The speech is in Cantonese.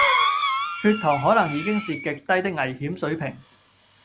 血糖可能已經是極低的危險水平